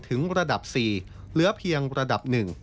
ถึงระดับ๔เหลือเพียงระดับ๑